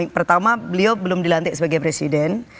pertama beliau belum dilantik sebagai presiden